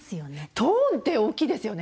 トーンって大きいですよね。